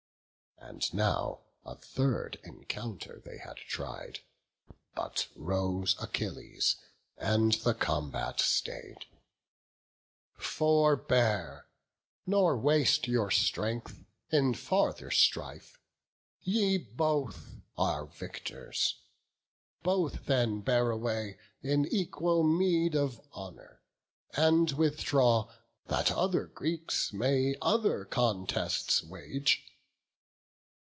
And now a third encounter had they tried But rose Achilles, and the combat stay'd: "Forbear, nor waste your strength, in farther strife; Ye both are victors; both then bear away An equal meed of honour; and withdraw, That other Greeks may other contests wage."